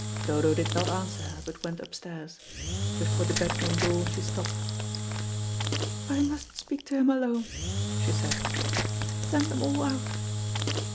Dodo did not answer her, but went upstairs. Before the bedroom door she stopped. "I must speak to him alone," she said. "Send them all out."